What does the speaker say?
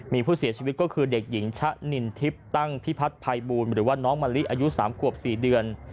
มีผู้เสียชีวิตก็คือเด็กหญิงชะนินทิพย์ตั้งพิพัฒน์ภัยบูลหรือว่าน้องมะลิอายุ๓ขวบ๔เดือน